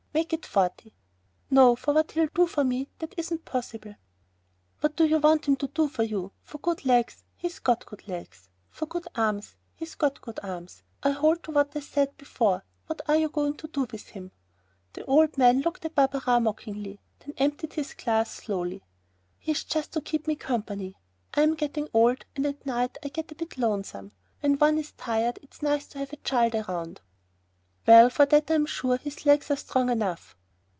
"Make it forty." "No, for what he'll do for me that isn't possible." "What do you want him to do for you? For good legs, he's got good legs; for good arms, he's got good arms. I hold to what I said before. What are you going to do with him?" Then the old man looked at Barberin mockingly, then emptied his glass slowly: "He's just to keep me company. I'm getting old and at night I get a bit lonesome. When one is tired it's nice to have a child around." "Well, for that I'm sure his legs are strong enough."